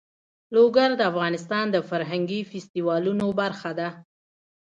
لوگر د افغانستان د فرهنګي فستیوالونو برخه ده.